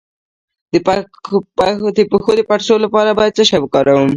د پښو د پړسوب لپاره باید څه شی وکاروم؟